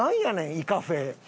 イカフェ。